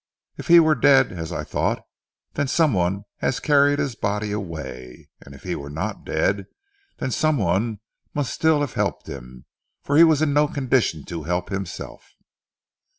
If he were dead as I thought, then some one has carried his body away; and if he were not dead, then some one must still have helped him, for he was in no condition to help himself."